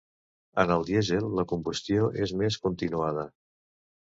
En el dièsel, la combustió és més continuada.